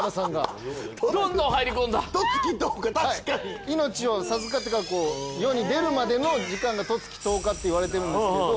はい命を授かってから世に出るまでの時間が十月十日っていわれてるんですけど